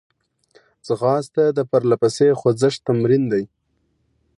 ځغاسته د پرلهپسې خوځښت تمرین دی